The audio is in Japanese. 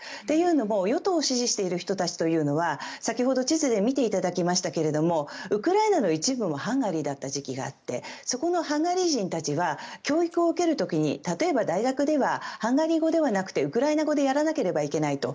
というのも与党を支持している人たちというのは先ほど地図で見ていただきましたがウクライナの一部もハンガリーだった時期があってそこのハンガリー人たちは教育を受ける時に例えば大学ではハンガリー語ではなくてウクライナ語でやらなければいけない。